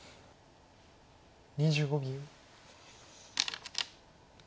２５秒。